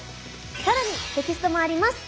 更にテキストもあります。